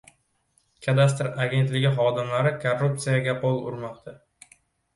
Kadastr agentligi xodimlari korruptsiyaga qo‘l urmoqda